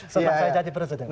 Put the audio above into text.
setelah saya jadi presiden